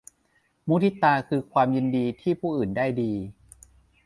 มุทิตาคือความยินดีที่ผู้อื่นได้ดี